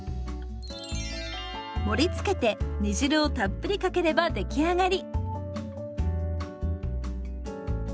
盛りつけて煮汁をたっぷりかければ出来上がり。